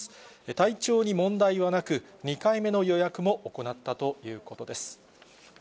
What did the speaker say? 体調に問題はなく、２回目の予約も行ったということです。